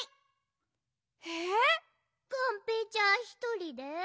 がんぺーちゃんひとりで？